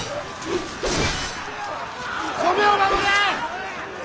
米を守れ！